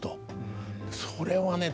「それはね